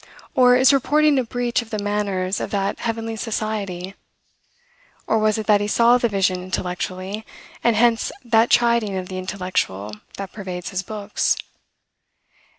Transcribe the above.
or, is reporting a breach of the manners of that heavenly society? or, was it that he saw the vision intellectually, and hence that chiding of the intellectual that pervades his books?